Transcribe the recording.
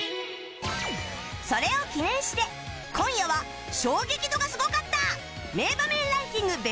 それを記念して今夜は衝撃度がすごかった名場面ランキング